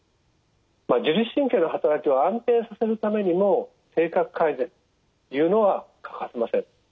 自律神経のはたらきを安定させるためにも生活改善というのは欠かせません。